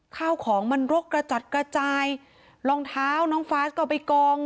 ข้าวของมันรกกระจัดกระจายรองเท้าน้องฟาสก็ไปกอง